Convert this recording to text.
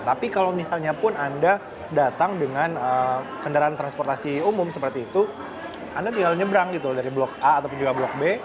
tapi kalau misalnya pun anda datang dengan kendaraan transportasi umum seperti itu anda tinggal nyebrang gitu loh dari blok a ataupun juga blok b